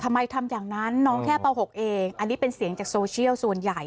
ทำอย่างนั้นน้องแค่ป๖เองอันนี้เป็นเสียงจากโซเชียลส่วนใหญ่